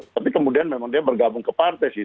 tapi kemudian memang dia bergabung ke partai sih